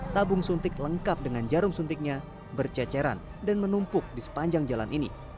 tabung suntik lengkap dengan jarum suntiknya berceceran dan menumpuk di sepanjang jalan ini